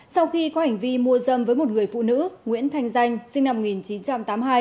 sau khi có hành vi mua dâm với một người phụ nữ nguyễn thanh danh sinh năm một nghìn chín trăm tám mươi hai